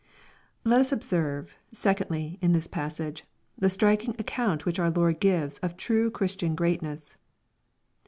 Let us observe, secondly, in this passage, the striking account lohich our Lord gives of true Christian greatness.